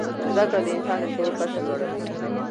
زده کړه د انسان د شعور کچه لوړوي.